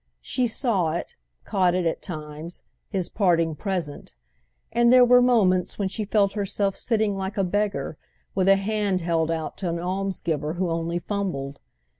She saw it, caught it, at times, his parting present; and there were moments when she felt herself sitting like a beggar with a hand held out to almsgiver who only fumbled.